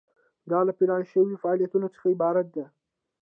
دا له پلان شوو فعالیتونو څخه عبارت ده.